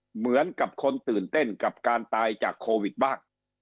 เหมือนกับคนตื่นเต้นกับการตายจากโควิดบ้าง